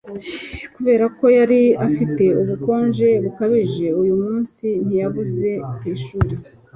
Kubera ko yari afite ubukonje bukabije uyu munsi ntiyabuze ku ishuri